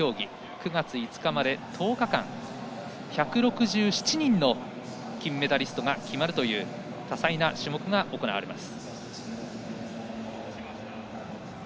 ９月５日まで１０日間１６７人の金メダリストが決まるという多彩な種目が行われます。